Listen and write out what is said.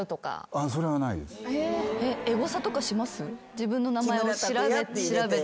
自分の名前を調べて。